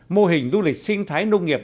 mô hình du lịch sinh thái nông nghiệp